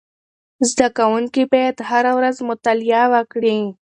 زده کوونکي باید هره ورځ مطالعه وکړي.